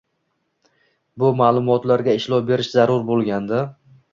bu ma’lumotlarga ishlov berish zarur bo‘lganda;